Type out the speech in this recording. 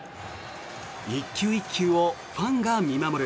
１球１球をファンが見守る。